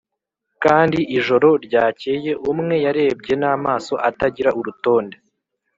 kandi ,, ijoro ryakeye, umwe yarebye n'amaso atagira urutonde